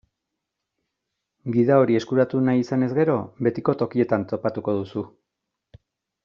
Gida hori eskuratu nahi izanez gero, betiko tokietan topatuko duzu.